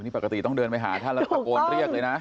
นี่ปกติต้องเดินไปหาท่านแล้วตะโกนเรียกเลยนะ